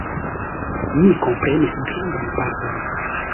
Mi komprenis grandan parton.